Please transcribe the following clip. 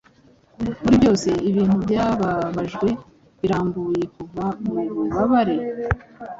muri byose Ibintu byababajwe birambuye Kuva mububabare